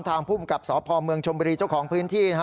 ทางผู้กลับสพเมืองชมบิริเจ้าของพื้นที่นะฮะ